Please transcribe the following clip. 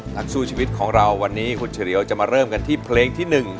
นักสู้ชีวิตของเราวันนี้คุณเฉลียวจะมาเริ่มกันที่เพลงที่๑